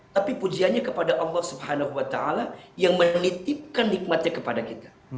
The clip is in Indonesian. tapi pujiannya kepada allah subhanahu wa ta'ala yang menitipkan nikmatnya kepada kita